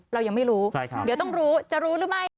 เรายังไม่รู้เดี๋ยวต้องรู้จะรู้หรือไม่